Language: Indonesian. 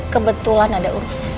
kebetulan ada urusan